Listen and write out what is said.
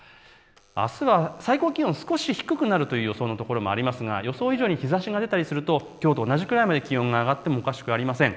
あすは最高気温、少し低くなるという予想もありますが予想以上に日ざしが出たりするときょうと同じくらいまで気温が上がってもおかしくありません。